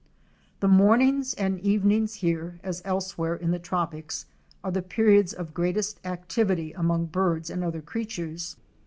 The mornings and evenings, here as elsewhere in the tropics, are the periods of greatest activity among birds and other creatures.